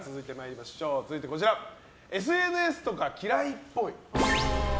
続いて、ＳＮＳとか嫌いっぽい。